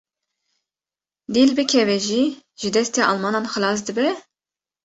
Dîl bikeve jî ji destê Almanan xelas dibe?